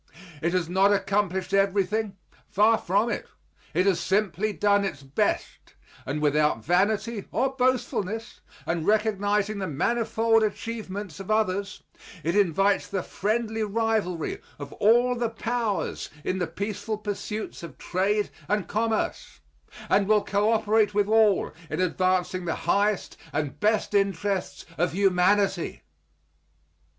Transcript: It has not accomplished everything; far from it. It has simply done its best, and without vanity or boastfulness, and recognizing the manifold achievements of others it invites the friendly rivalry of all the powers in the peaceful pursuits of trade and commerce, and will cooperate with all in advancing the highest and best interests of humanity.